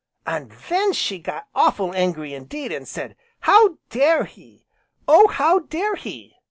An' then she got awful' angry indeed, an' said 'How dare he! Oh, how dare he!'